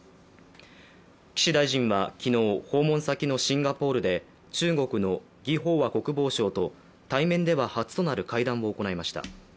岸大臣は昨日、訪問先のシンガポールで中国の魏鳳和国防相と対面では初となる会談を行いました。